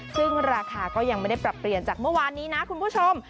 ซึ่งราคาก็ยังไม่ได้ปรับเปลี่ยนจากเมื่อวานนี้นะคุณผู้ชม